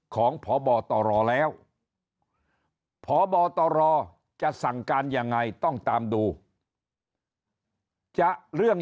ของพบตรแล้วพบตรจะสั่งการยังไงต้องตามดูจะเรื่อง